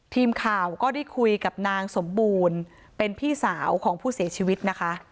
ทีมข่าวก็ได้คุยกับนางสมบูรณ์เป็นพี่สาวของผู้เสียชีวิตนะคะ